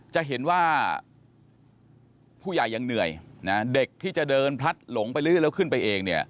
จะเห็นว่าผู้ใหญ่ยังเหนื่อยนะเด็กที่จะเดินพลัดหลงไปเรื่อยแล้วขึ้นไปเองเนี่ย